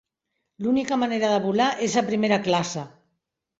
L'única manera de volar és a primera classe